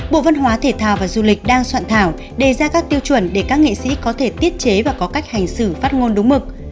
bộ văn hóa thể thao và du lịch đang soạn thảo đề ra các tiêu chuẩn để các nghệ sĩ có thể tiết chế và có cách hành xử phát ngôn đúng mực